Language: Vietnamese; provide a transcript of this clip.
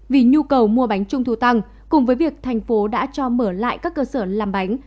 vì nhu cầu mua bánh trung thu tăng cùng với việc thành phố đã cho mở lại các cơ sở làm bánh